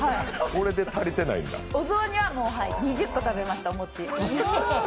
お雑煮は２０個食べました、お餅。